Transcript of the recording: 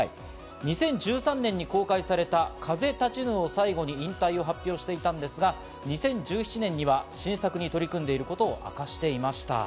２０１３年に公開された『風立ちぬ』を最後に引退を発表していたんですが、２０１７年には新作に取り組んでいることは明かしていました。